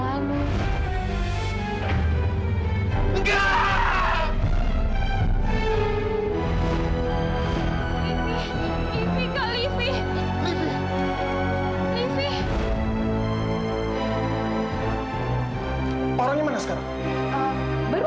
baru dipergi dok